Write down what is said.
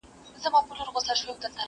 سږ کال مي ولیده لوېدلې وه له زوره ونه!